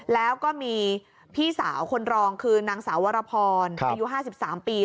แล้วก็มีพี่สาวคนรองคือนางสาววรพรอายุ๕๓ปี